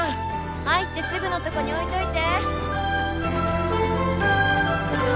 入ってすぐのとこに置いといて。